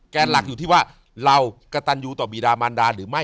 หลักอยู่ที่ว่าเรากระตันยูต่อบีดามันดาหรือไม่